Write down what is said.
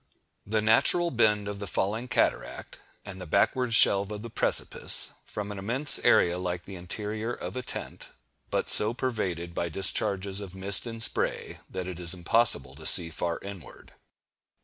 The natural bend of the falling cataract, and the backward shelve of the precipice, form an immense area like the interior of a tent, but so pervaded by discharges of mist and spray, that it is impossible to see far inward.